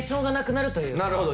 なるほど。